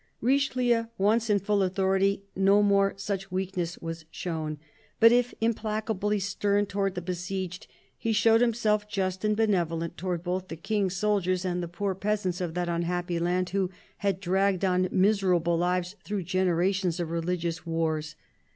Richelieu once in full authority, no more such weakness was shown ; but if implacably stern towards the besieged, he showed himself just and benevolent towards both the King's soldiers and the poor peasants of that unhappy land, who had dragged on miserable lives through generations of religious wars.